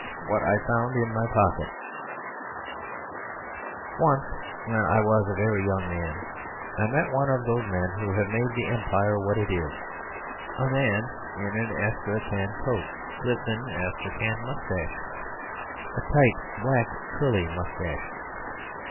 What I Found in My Pocket Once when I was very young I met one of those men who have made the Empire what it is a man in an astracan coat, with an astracan moustache a tight, black, curly moustache.